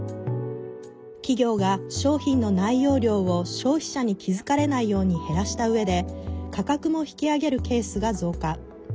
企業が、商品の内容量を消費者に気付かれないように減らしたうえで価格も引き上げるケースが増加。